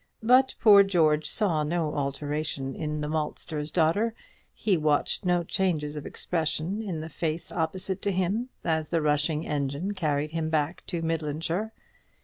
But poor George saw no alteration in the maltster's daughter; he watched no changes of expression in the face opposite to him as the rushing engine carried him back to Midlandshire.